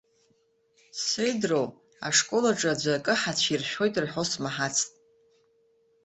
Сеидроу, ашкол аҿы аӡәы акы ҳацәиршәоит рҳәо смаҳацт.